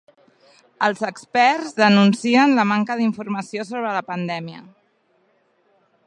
Els experts denuncien la manca d'informació sobre la pandèmia.